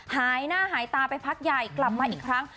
หายหน้าหายตาไปพักใหญ่กลับมาอีกครั้ง